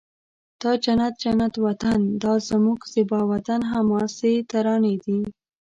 دا جنت جنت وطن او دا زموږ زیبا وطن حماسې ترانې دي